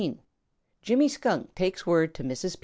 XIX JIMMY SKUNK TAKES WORD TO MRS.